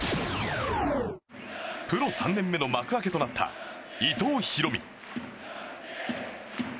プロ３年目の幕開けとなった伊藤大海。